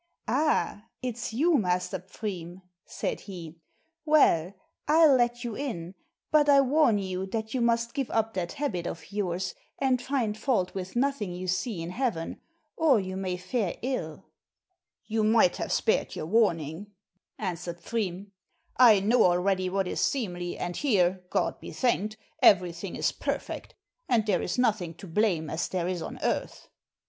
"Ah, it's you, Master Pfriem;" said he, "well, I'll let you in, but I warn you that you must give up that habit of yours, and find fault with nothing you see in heaven, or you may fare ill." "You might have spared your warning," answered Pfriem. "I know already what is seemly, and here, God be thanked, everything is perfect, and there is nothing to blame as there is on earth."